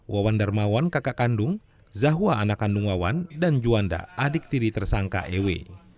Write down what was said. wawan darmawan kakak kandung zahwa anak kandungawan dan juanda adik tiri tersangka ewe